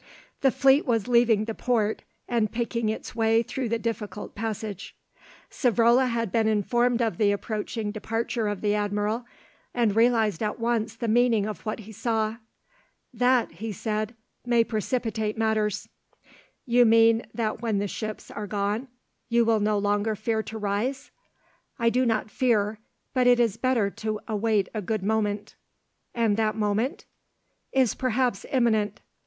The fleet was leaving the port, and picking its way through the difficult passage. Savrola had been informed of the approaching departure of the admiral, and realised at once the meaning of what he saw. "That," he said, "may precipitate matters." "You mean that when the ships are gone you will no longer fear to rise?" "I do not fear; but it is better to await a good moment." "And that moment?" "Is perhaps imminent.